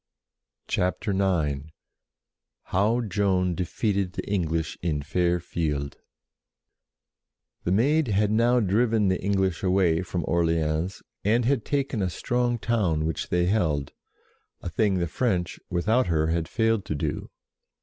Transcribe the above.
CHAPTER IX HOW JOAN DEFEATED THE ENGLISH IN FAIR FIELD HPHE Maid had now driven the English * away from Orleans, and had taken a strong town which they held, a thing the French, without her, had failed to do.